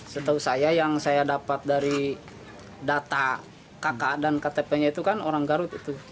setahu saya yang saya dapat dari data kakak dan ktp nya itu kan orang garut itu